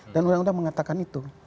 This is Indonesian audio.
dan undang undang mengatakan itu